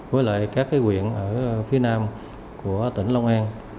với các huyện phía nam của tỉnh long an